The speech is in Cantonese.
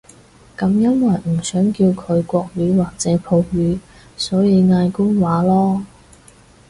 噉因為唔想叫佢國語或者普語，所以嗌官話囉